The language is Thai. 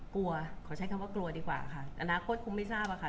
ขอใช้คำว่ากลัวดีกว่าค่ะอนาคตคงไม่ทราบอะค่ะ